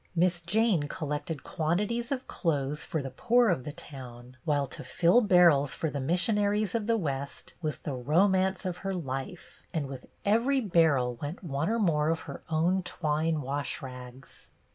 Miss Jane collected quantities of clothes for the poor of the town, while to fill barrels for the missionaries of the West was the romance of her life; and with every barrel went one DEAR OLD MISS JANE 27 or more of her own twine wash rags.